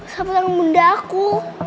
sapu tangan bunda aku